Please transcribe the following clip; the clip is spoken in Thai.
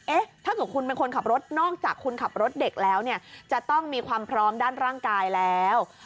ถ้าเกิดคุณเป็นคนขับรถนอกจากคุณขับรถเด็กแล้วเนี่ยจะต้องมีความพร้อมด้านร่างกายแล้ว